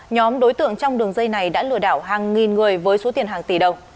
nhóm đối tượng trong đường dây này đã lừa đảo hàng nghìn người với số tiền hàng tỷ đồng